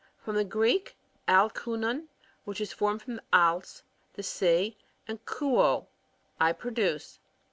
— From the Greek, alku6n^ which ' is formed from a/s, the sea, and hudt I produce.